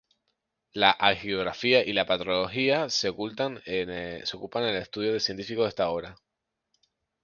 La hagiografía y la patrología se ocupan del estudio científico de esta obra.